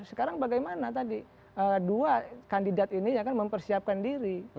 sekarang bagaimana tadi dua kandidat ini mempersiapkan diri